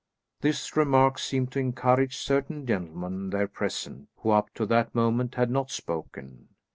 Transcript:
This remark seemed to encourage certain gentlemen there present, who up to that moment had not spoken.